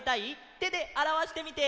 てであらわしてみて！